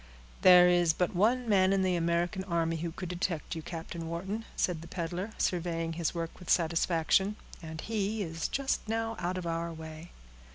"There is but one man in the American army who could detect you, Captain Wharton," said the peddler, surveying his work with satisfaction, "and he is just now out of our way."